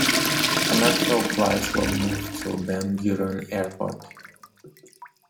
Commercial flights will move to Ben Gurion Airport.